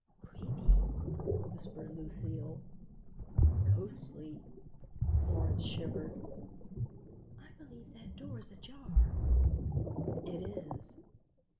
"Creepy," whispered Lucile. "Ghostly," Florence shivered. "I believe that door's ajar." "It is."